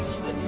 taruh sini aja